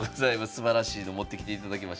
すばらしいの持ってきていただきました。